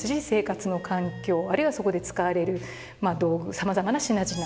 生活の環境あるいはそこで使われる道具さまざまな品々